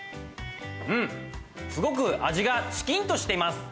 うんすごく味がチキンとしてます。